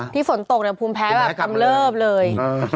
ที่ฝนตกผมแพ้กลำเลิฟเลย